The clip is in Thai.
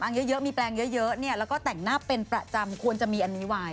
เยอะมีแปลงเยอะเนี่ยแล้วก็แต่งหน้าเป็นประจำควรจะมีอันนี้ไว้